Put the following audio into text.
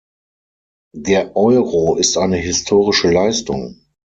Der Euro ist eine historische Leistung.